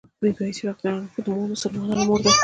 بي بي عائشه رض د مسلمانانو مور ده